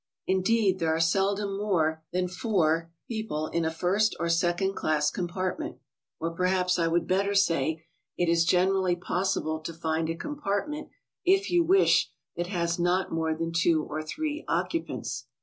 Indeed, there are seldom more than four S3 54 GOING ABROAD? people in a first or second class compartment, — or perhaps I would better say it is generally possible to find a com partment, if you wish, that has not more than two or three occupants.